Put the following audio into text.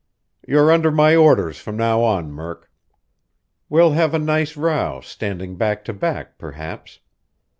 "You're under my orders from now on, Murk. We'll have a nice row, standing back to back perhaps.